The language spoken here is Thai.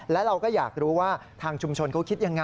และเราก็อยากรู้ว่าทางชุมชนเขาคิดยังไง